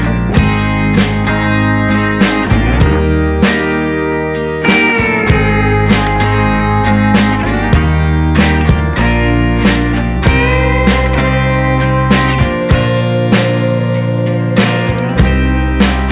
adit bangun adit